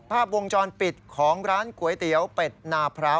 ภาพวงจรปิดของร้านก๋วยเตี๋ยวเป็ดนาพร้าว